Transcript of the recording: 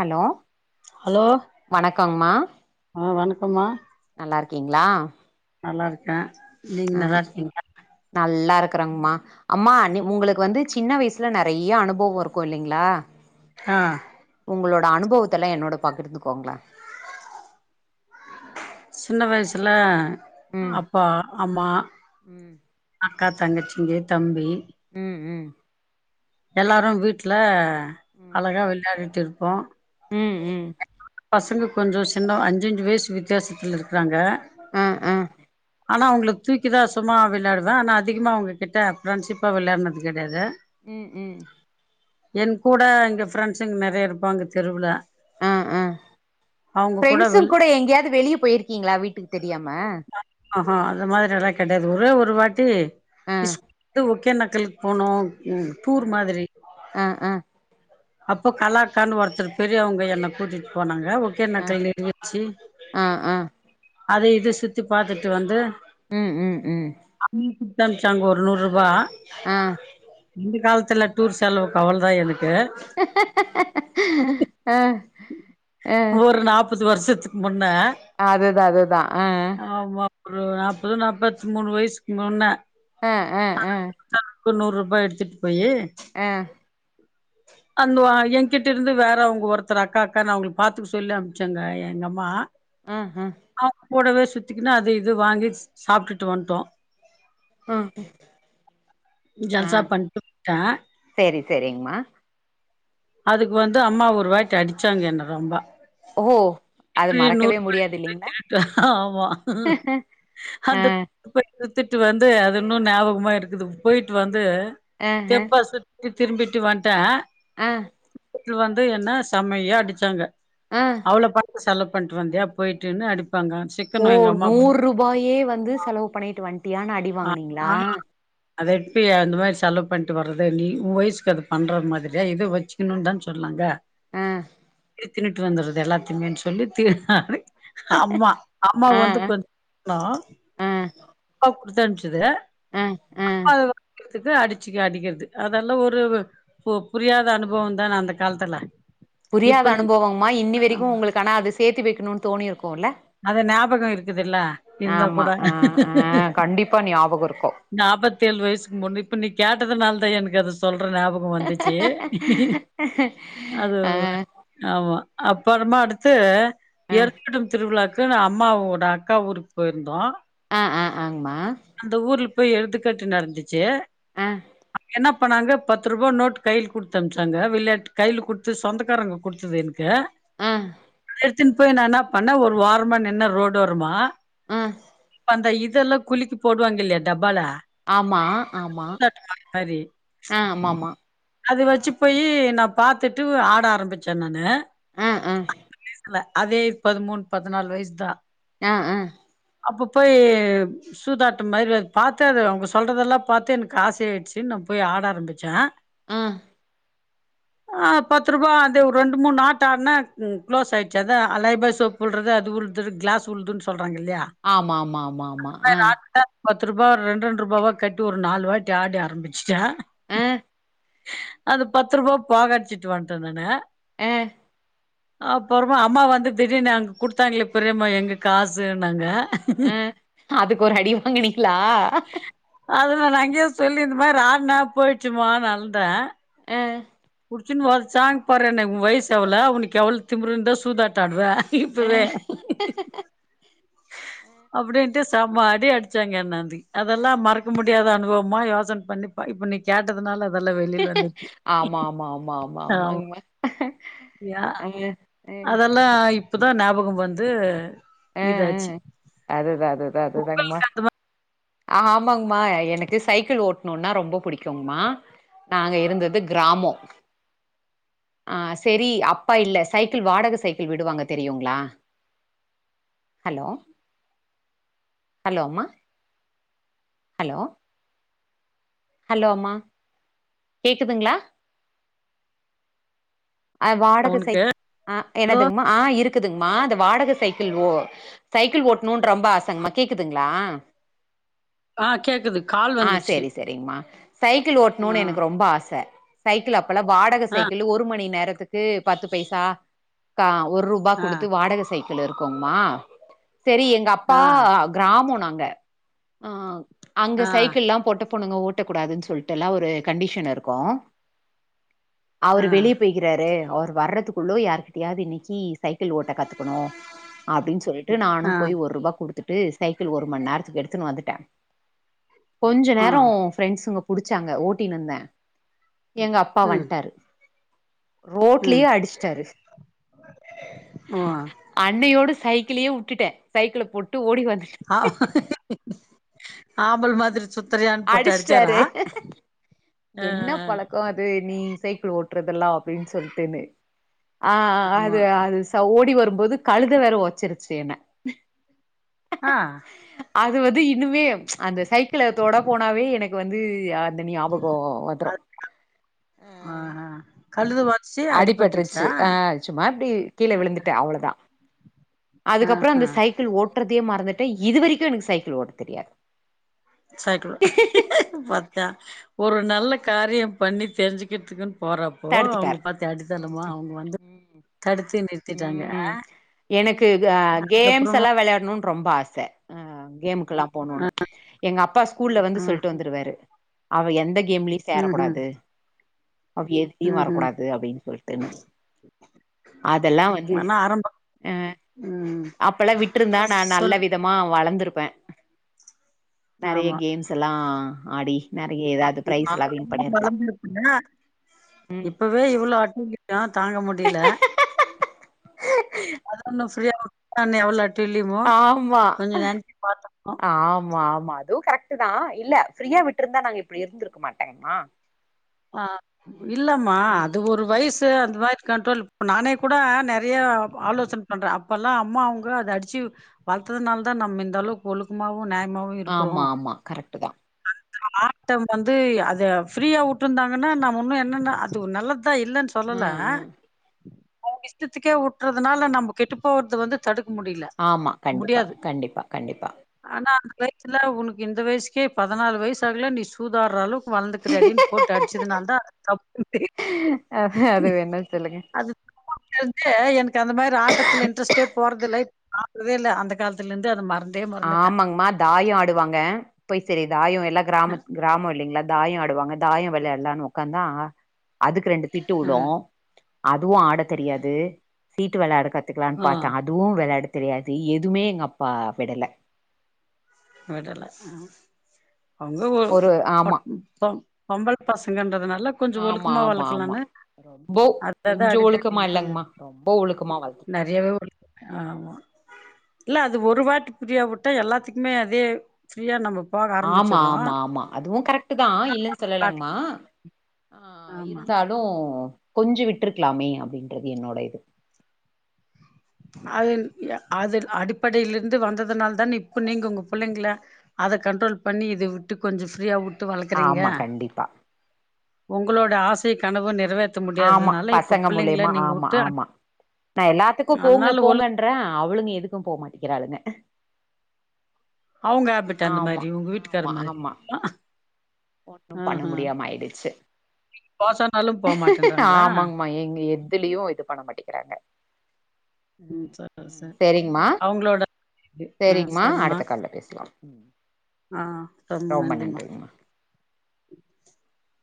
Hello hello வணக்கங்மா கம்மா நல்லா இருக்கீங்ளா நல்லா இருக்கே நீங்க நல்லா இருக்கீங்ளா நல்லா இருக்குறங்மா அம்மா உங் உங்களுக்கு வந்து சின்ன வயசுல நெறைய அனுபவ இருக்கு இல்லைங்ளா ஆஹ் உங்களோட அனுபவத்தெல்லா என்னோட பகிர்ந்துக்கோங்ளே இள வயசுல உம் ம் அப்பா அம்மா ம் அக்கா தங்கச்சிங்க தம்பி உம் உம் எல்லாரு வீட்ல ம் அழகா வெள்யாடிட்டு இரு ப்போ ம் ம் பசங்க கொஞ்ச சின்ன அஞ்சஞ்சு வயசு வித்தியாசத்துல இருக்றாங்க ஆ ஆ ஆனா அவ்ங்களுக்கு தூக்கி தா சும்மா விளாடுவே ஆனா அதிகமா அவ்ங்க கிட்ட ஃப்ரெண்ட்ஷிப்பா வெளயாட்னது கெடையாது உம் உம் என் கூட இங்க ஃப்ரெண்ட்ஸுங்க நெறையா இருப்பாங்க தெருவுல ஆஹ் ஆஹ் அவங்க கூட வில் ஃப்ரெண்ட்ஸுங்கூட எங்கேயாது வெளியே போயிருக்கீங்ளா வீட்டுக்கு தெரியாம ஆஹா அந்த மாதிரிலா கெடையாது ஒரே ஒரு வாட்டி ஆ ஸ் ஓகே எனக் தெழுங் போனோ உம் ஆ பூர் மாதிரி ஆ ஆ அப்போ கலாக்கானு ஒருத்தவ்ங் பெரியவங்க என்ன கூட்டிட் போனாங்க ஆ ஓகேனக்கல் நீர் வீழ்ச்சி ஆ ஆ அத இத சுத்தி பாத்துட்டு வந்து உம் உம் உம் பங்ஷங் ஒரு நூற்ரூபா ஆஹ் இந்த காலத்துல டூர் செலவு பதுனஞ்சாயிர நிக்குது ஆ ஆ ஒரு நாப்பத் து வருஷத்துக்கு முன் அதுதா அதுதா ஆ ஆமா ஒரு நாப்பதோ நாப்பத்மூணு வயசுக் முன்ன அ அ அ நூற்ரூபா எடுத்துட்டு போயி ஆ அன்டுவா என்கிட்டருந்து வேறவங்க ஒருத்தர் அக்கா அக்கானு அவங்களுக்கு பாத்துக்க சொல்லி அனுப்ச்சாங்க எங்கம்மா ம்ஹும் கூடவே சுத்திக்கின்னு அது இது வாங்கிட் சாப்டுட்டு வன்ட்டோ ஆ ஆ ஜல்சா பண்ணிட் வுட்டே சேரி சேரிங்மா அதுக்கு வந்து அம்மா ஒருவாட்டி அடிச்சாங்க என்ன ரொம்ப ஓ அது இப்டியே மறக்கவே முடியாது நூற்ரூபாய்குதா இல்லைங்களா கேட்டே ஆமா ஆ அந்த [inaudible] த்துட்டு வந்து அது இன்னு ஞாபகமாருக்குது போயிட்டு வந்து ஆ கே பாசிட் து திரும்பிட்டு வன்டே ஆ து வந்து என்ன செம்மையா அடிச்சாங்க ஆ அவ்ளோ பா செலவு பண்ணிட்டு வந்தியா போயிட்டுன்னு அடிப் ஓ நூறுபாயே வந்து செலவு பண்ணிட்டு வன்டியான்னு ஆ அடிவாங்கனீங்களா ஆ அத எப்பி அந்த மாரி செலவு பண்ணிட்டு வர்ற நீ உ வயசுக்கு அது பண்ற மாத்ரியா இது வச்சுக்கணுன்னு தான் சொன்னாங்க ஆ இது தின்னுட்டு வந்தறது எல்லாத்தையுமே சொல்லி [unintelligible] ஆமா அம்மா ஆ வந்து கொஞ்ச்னோ ஆ குடுத்தம்ப்சது ஆ ஆ [inaudible] துக்கு அடிச்சுக்கு அடிக்கிறது அதெல்லா ஒரு பொ புரியாத அனுபவந்தான அந்த காலத்துல புரியாத இப்ப அனுபவமா இன்னி வரைக்கூ உங்களுக்கு ஆனா அது சேத்து வெக்கணுனு தோணிருக்கூல்ல அது ஞாபகோ இருக்குதில்ல இன்னோ கூட ஆ ஆ கண்டிப்பா ஞாபகோ இருக்கு நாப்பத்தி ஏழு வயசுக்கு முன்னு இப்ப நீ கேட்ட அதுனால தா எனக்கு அது சொல் ட்ற ஞாபகோ வந்துச்சு அது ஆ ஆமா அப்பறமா அடுத்து ஆ ஏருக்கட்டு திருவிழாக்கு அம்மாவோட அக்கா ஊருக்கு போயிருந்தோ அ அ ஆங்மா போய் எழுந்துக்காட்டு நடந்து ச்சே ஆ என்னப் அப்போன நாங்க பத்து ரூபா நோட்டு் கையில் கொடுத்த அனுப்பச்சாங்க விளையாட்டு கையில் கொடுத்து சொந்தக்காரங்க கொடுத்தது என்க்கு அ எடுத்துன் போய் நனாப் அண்ணா ஒரு ஓரமா நின்னு ரோடு ஓரமா ஹம் அந்த இதெல்லா குலிக்கி போடுவாங்க இல்லையா டப்பால ஆமா ஆமா மாரி. ஆ ஆமாம அது வச்சு போய் நா பாத்துட்டு ஆட ஆரம்பிச்சே நானு ம் ம் அதே பதிமூணு பதினாலு வயசு தா அ அ அப்பப்ப போய் சூதாட்ட மாதிரிது பாத்த அது அவங்க சொல்றதெல்லா பாத்தே எனக்கு ஆச ஆய்டுச்சு நா போய் ஆட ஆரம்பிச்சே ம் ஆ பத்து ரூபாய் அது ரெண்டு மூணு ஆட்ட ஆடுன்னே க்ளோஸ் ஆயிடுச்சு அதா அலைபாய் சோப் விழுறது அது உழுது கிளாஸ் உழுதுன்னு சொல்ற ஆமா ஆமா ஆமா ஆமா ஆ ஆட்ட பத்து ரூபா ரென்ரண்டரண்டு ரூபாவா கட் டு ஒரு நாலு வாட்டி ஆடி ஆரம்பிச்சுட்டா ஆ அந்த பத்து ரூபா பாக அடிச்சுட்டு வன்டே நானு ஆஹ் அப்புறமா அம்மா வந்து திடீர்னு அங்க குடுத்தாங்களே பெரியம்மா எங்க காசுனாங்க அஹ் அதுக்கு ஒரு அடி வாங்கினீங்களா அது நா அங்கேயே சொல்லி இந்த மாதிரி ரானா போயிடுச்சுமானு அழுதே அஹ் சின்னு சா் பாறேன்னை வயசு எவ்வள அவனுக்கு உனக்கு எவ்வள திமிருந்த சூதாட்டாடுற ஆ இப்பவே அப்படின்ட்டு சம அடி அடிச்சாங்க அன்னாந்தி அதெல்லா மறக்க முடியாத அனுபவம் மா யோசனை பண்ணி இப்ப நீ கேட்டதுனால அது ஆமா ஆமா ஆமா ஆமா ஆமா யா அதெல்லா இப் இப்போதா ஞாபக வந்து இதாச்சு ஹ்ஹ் அதுதா அதுதா உங்களுக்கு அதுதாங்கமா ஆ ஆமாங்கமா எனக்கு சைக்கிள் ஓட்டணுனா ரொம்ப பிடிக்கும்ங்கமா நாங்க இருந்தது கிராமம் அஹ் சரி அப்பா இல்ல சைக்கிள் வாடக சைக்கிள் விடுவாங்க தெரியுங்களா ஹலோ ஹலோ அம்மா ஹலோ ஹலோ அம்மா கேக்குதுங்களா அ வாடகை உனக்கு சைக் ஆ ஹலோ எனதுங்மா ஆஹ் இருக் இருக்குதுங்மா அது வாடக சைக்கிள் ஓ சைக்கிள் ஓட்ணுனு ரொம்ப ஆசங்கமா கேக்குதுங்களா ஆ கேக்குது கால் ஆஹ் வந்துடுச்சு சரி சரிங்கமா சைக்கிள் ஆ ஓட்டணுனு எனக்கு ரொம்ப ஆச சைக்கிள் அப் பலா வாடக ஆ சைக்கிளு ஒரு மணி நேர த்துக்கு பத்து பைசா கா ஒரு ரூபா ஆ கொடுத்து வாடக சை ள் இருக்குங்மா சரி எங்க அப்பா ஆ கிராமம் நாங் க ஆஹ் அங்க ஆ சைக்கில்லா போட்டு பொண்ணுங்க ஓட்டக்கூடாதுன் சொல்ட்டுல்லா ஒரு கண்டிஷன் இருக்கு ஆ அவரு வெளிய போய் ரு அவரு வர்றதுக்குள்ள யாருகிட்டயாது இன்னைக்கு சைக்கிள் ஓட்ட கத்துக்கணு அப்படின்னு சொல்லிட்டு நானு ஆ போய் ஒரு ரூபா குடுத் துட்டு சைக்கிள் ஒரு மணி நேரத்துக்கு எடுத்துன்னு வந்துட்டே கொஞ்ச ஆ நேரம் ஃபிரண்ட்ஸ்ங்க புடிச் ச்சாங்க ஓட்டினுந்தே எங்க அப்பா ம் வன்ட்டாரு. ம் ரோட்லயே அடிச்சிட்டாரு ஓ அன்னையோடு சைக் ட்லயே விட்டுட்டே சைக்கிள போட் ஆஹ். ஆம்பல் மாதிரி சுத்துறியான்னு போட்டு அடிச்சிட்டாரு அடிச்சாரா ஆ என்ன பழக்கம் அது நீ ச [unintelligible] ட்ரதெல்லா அப்டின்னு சொல்ட்டுன்னு ஆ ஆஹ் ஆமா அது அது ச ஓடி வரு போது கழுத வேற ஒதச்சிருச்சு என்ன. ஆஹ். வது இ இன்னுமே அந்த சைக்கிள ங்க போனாவே எனக்கு வந்து ஹ அந்த ஞாபகம் வந்துரும். அது ஆஹா கழுத வச்சு அடிபட்டுச்சா அடிபட்டுருச்சு ஆஹ் சும்மா அப்படி கீழே விழுந்துட்டே அவ்வளவுதா அதுக்கப்புறம் ஆஹா அந்த சைக்கிள் ஓட்டுறது தை மறந்துட்ட இது வரைக்கும் எனக்கு சைக்கிள் ஓட்ட தெரியாது. சைக்கிள் பாத்தா ஒரு நல்ல காரியம் பண்ணி தெரிஞ்சுக்கிட்டுக்கு தடுத்துட்டரு அவங்க வந்து தடுத்து நிறுத்திட்டாங்க ஆ உம் எனக்கு கேம்ஸ் அதுக்கப்புறமா எல்லாம் விளையாடணும்னு ரொம்ப ஆசை ஹ கேம். ல்லாம் ஆ போணும்னு எங்க அப்பா ஸ்கூல்ல வந்து ஆ சொல்லிட்டு வந்துருவாரு அவ எந்த கேம்லயும் ம் ம் சேரக்கூடாது. அவி ல்ல ம் ம் வரக்கூடாது அப்படின்னு சொல்லிட்டுன்னு அதெல்லாம் வந்து ஆனா ஆரம்பம் ஹ ம் அப்பல்லாம் விட்டுருந்தா நா நல்ல சொல் விதமா வளர்ந்த ப்ப நிறைய ஆமா கேம்ஸ் எல்லாம் ஆடி நெறைய ஏதாவது பிரைஸ் எல்லா வின் பண்ணிருக்கலா [unintelligible] ம் இப்பவே இவ்வளவு [unintelligible] தாங்க முடியல அதுன்ன ஃப்ரீ ஆ நூ எவளோட் ஆமா பாத்துருக்கோம். ஆமா ஆமா அதுவும் கரெக்ட்தா இல்ல ஃப்ரீயா விட்டுருந்தாட நாங்க இப்படி இருந்திருக்க மாட்டேனா ஆஹ் இல்லம்மா அது ஒரு வயசு அது மாரி கண்ட்ரல் குடுத்து நானே கூட ம் நெறய ஆலோசனை பண்ற அப்பல்லாம் அம்மா அவங்க அத அடிச்சு வளர்த்ததுனால தா நம்ம இந்த அளவுக்கு ஒழுக்கமா ஆமா ஆமா கரெக்ட் தா ஆட்டம் வந்து அத ஃப்ரீயா வுட்டு விட்ருந்தாங்கன்னா நம்ம இன்னும் என்னன்ன அது நல்ல [unintelligible] இல்லன்னு சொல்லல ம் ம் அவுங்க இஷ்டத்துக்கே வுட்டுறதுனால நம்ம கெட்டு போறத வந்து தடு ஆமா கண்டிப்பா கண்டிப்பா கண்டிப்பா ஆனா அந்த வயசுல உனக்கு இந்த வயசுக்கே பதினாலு வயசு ஆகல நீ சூதாறாலும் வளர்ந்துக்குறடி போட்டு அடிச்சதுனால தான் தப்புனு தெரியுது அது அது வேணா சொல்லுங்க அது [unintelligible] அந்த மாரி ஆட்டத்துல இட்ரெஸ்டே போறதில்ல [unintelligible] இல்ல அந்த காலத்துலருந்து அது மறந்து ஆமாங்மா தாயம் ஆடுவாங்க போய் [unintelligible] தாயம் எல்லாம் அ கிராம கிராமம் இல்லங்கிளா தாயம் ஆடுவாங்க தாயம் விளையாடலாம்னு உக்காந்தா அதுக்கு ரெண்டு திட்டு அ வுழும் அதுவும் ஆட தெரியாது சீட்டு வேலையாட கத் துக்கலாம்னு ஆ பாத்தா அதுவும் விளையாட தெரியாது எதுவுமே எங்க அப்பா விடல விடல ஆ அங்க ஒரு [unintelligible] பொம்பல் பசங்கன்றதுனா ஆமா ஆமா ஆமா ரொம்ப அத அத கொஞ்சம் அடிதடி ஒழுக்கமா கொஞ்சோ இல்லங்கமா ரொம்ப ஒழுக்கமா வளத்து நெறையாவே ஒழுக்குவேன் ஆமா இல்ல அது ஒரு வாட்டு ஃபிரியா விட்டா எல்லாத்துக் குமே அதே ஃப்ரீயா நம்ம போக ஆமா ஆரம்பிச்சிடுறோம் ஆமா ஆமா அதுவும் கரெக்ட் தான் இல்லன்னு சொல்லலங்கமா ஆஹ் ஆமா இருந்தாலும் கொஞ்சு விட்டுருக்கலாமே அப்படின்றது என்னோட இது அது அது அடிப்படையில இருந்து வந்ததுனால தானே இப்ப நீங்க உங்க பிள்ளைங்கள அதை கண்ட்ரோல் பண்ணி இதை விட்டு கொஞ்சம் ஃப்ரீயா வு ஆமா கண்டிப்பா உங்களோட ஆசை கனவு நி ஆமா பசங்க மூலியமா ஆமா விட்டு ஆமா நா எல்லாத்து க்கு போங்க அதனால ஒழு போங்கன்ற அவளுங்க எதுக்கும் போ மாட்டிக்கிறாளுங்க அவங்க ஆப்பிட்ட அந்த மாதிரி உங்க வீட்டுக்கார ஆமா மாதிரி ஆமா ஒன்னு பண்ண ஆஹ்ஹ முடியாம ஆயிடுச்சு கோசனாலும் ஆமாங்கமா எங்க எதுலயும் இது பண்ண மாட்டே உம் ம் சரி உஹம் சரி செரிங்கமா அவங்களோட இது ஆ செரிங்கமா சரிம்மா அடுத்த காலல பேசலாம் ஆ ரொம்ப நன்றிங்கமா [inaudible]